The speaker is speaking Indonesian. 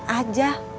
pak kemet aja